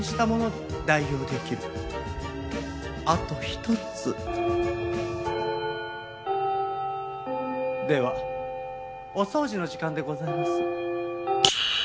ではお掃除の時間でございます。